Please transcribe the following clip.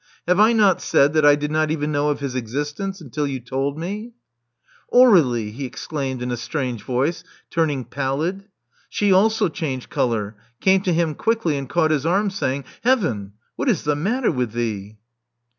Have I not said that I did not even know of his existence until you told me?" Aurelie!" he exclaimed in a strange voice, turning pallid. vShe also changed color; came to him quickly; and caught his arm, saying, Heaven! What is the matter with thee?"